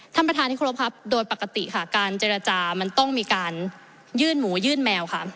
ท่านประธานที่ครบครับโดยปกติค่ะการเจรจามันต้องมีการยื่นหมูยื่นแมวค่ะ